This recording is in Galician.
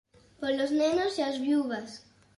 Polos nenos e as viúvas